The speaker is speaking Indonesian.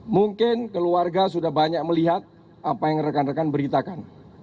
mungkin keluarga sudah banyak melihat apa yang rekan rekan beritakan